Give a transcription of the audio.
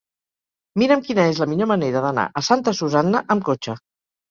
Mira'm quina és la millor manera d'anar a Santa Susanna amb cotxe.